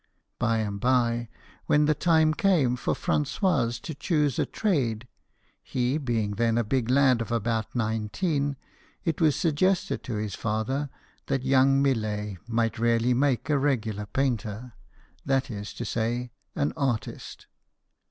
j3y and by, when the time came for Francois to choose a trade, he being then a big lad of about nineteen, it was suggested to his father that 120 BIOGRAPHIES OF WORKING MEN. young Millet might really make a regular painter that is to say, an artist.